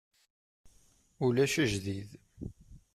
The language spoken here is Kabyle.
Ulac ajdid.